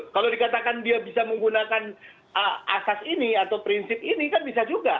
kalau dikatakan dia bisa menggunakan asas ini atau prinsip ini kan bisa juga